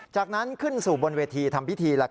จากนั้นขึ้นสู่บนเวทีทำพิธี